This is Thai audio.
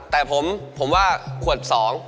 แต่ผมว่าขวด๒